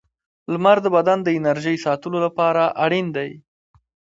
• لمر د بدن د انرژۍ ساتلو لپاره اړین دی.